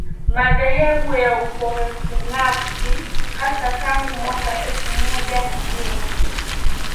madhehebu ya Uprotestanti Hasa tangu mwaka Elfu moja Mia Tisa